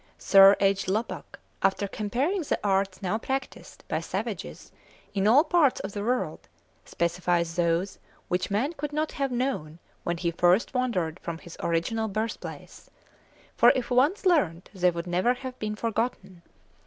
Sir J. Lubbock, after comparing the arts now practised by savages in all parts of the world, specifies those which man could not have known, when he first wandered from his original birthplace; for if once learnt they would never have been forgotten.